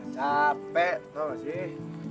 capek tau gak sih